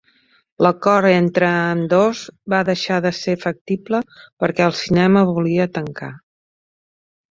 L'acord entre ambdós va deixar de ser factible perquè el cinema volia tancar.